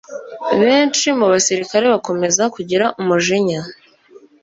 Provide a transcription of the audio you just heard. benshi mu basirikare bakomeza kugira umujinya